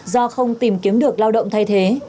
do không tìm kiếm được lao động thay thế